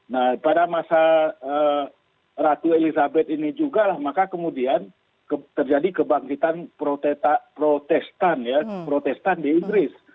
nah pada masa ratu elizabeth ini juga maka kemudian terjadi kebangkitan protestan ya protestan di inggris